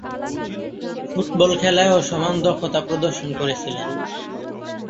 Football খেলায়ও সমান দক্ষতা প্রদর্শন করেছিলেন।